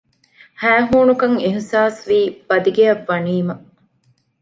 ހައިހޫނުކަން އިހްޞާސްވީ ބަދިގެއަށް ވަނީމަ